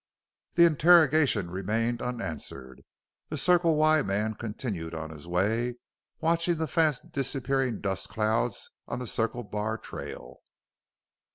The interrogation remained unanswered. The Circle Y man continued on his way, watching the fast disappearing dust clouds on the Circle Bar trail.